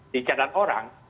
di catatan orang